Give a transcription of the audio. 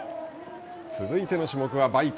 続いての種目はバイク。